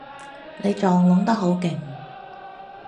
你撞聾得好勁